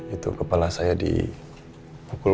itu kepala saya dipukul